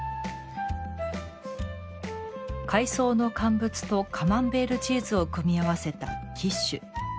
海藻の乾物とカマンベールチーズを組み合わせた「キッシュ」。